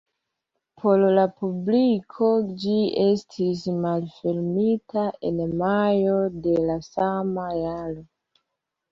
Por la publiko ĝi estis malfermita en majo de la sama jaro.